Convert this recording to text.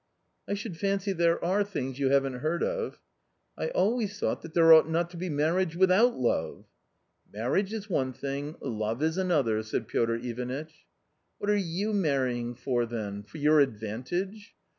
" I should fancy there are things you haven't heard of." " I always thought that there ought not to be marriage without love, r ^Marriage is one thing, love is another," said PiQtt IvanitcnT n What are you marrying for then ? For your advantage